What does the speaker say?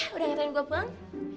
sudah ngerti gue pang